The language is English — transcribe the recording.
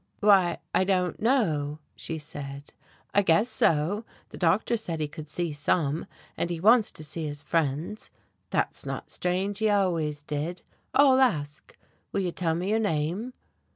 "Why, I don't know," she said, "I guess so. The doctor said he could see some, and he wants to see his friends. That's not strange he always did. I'll ask. Will you tell me your name?"